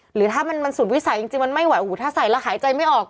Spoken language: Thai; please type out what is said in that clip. หรือถ้ามันสุดวิสัยจริงมันไม่ไหวโอ้โหถ้าใส่แล้วหายใจไม่ออก